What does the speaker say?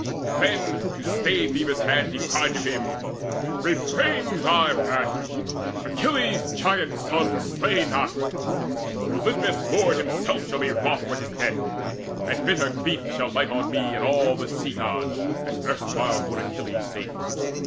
Then, to stay Phoebus' hand, he cried to him: "Refrain thy wrath: Achilles' giant son Slay not! Olympus' Lord himself shall be Wroth for his death, and bitter grief shall light On me and all the Sea gods, as erstwhile For Achilles' sake.